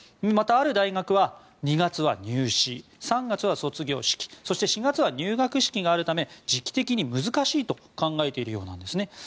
またある大学は２月は入試３月は卒業式４月は入学式があるため時期的に難しいと考えているようなんですね。